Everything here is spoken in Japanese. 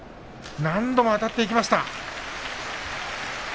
何度も、あたっていきました。